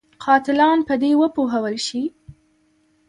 قاتلان په دې وپوهول شي.